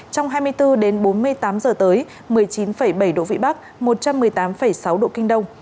trong hai mươi bốn đến bốn mươi tám giờ tới một mươi chín bảy độ vĩ bắc một trăm một mươi tám sáu độ kinh đông